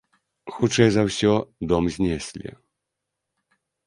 Хутчэй за ўсё, дом знеслі.